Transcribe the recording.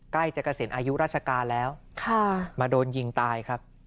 ใกล้จะเกษียณอายุราชการแล้วมาโดนยิงตายครับ